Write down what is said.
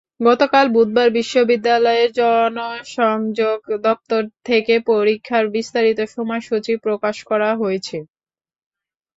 গতকাল বুধবার বিশ্ববিদ্যালয়ের জনসংযোগ দপ্তর থেকে পরীক্ষার বিস্তারিত সময়সূচি প্রকাশ করা হয়েছে।